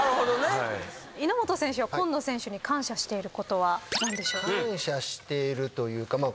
稲本選手は今野選手に感謝していることは何でしょう？感謝しているというか。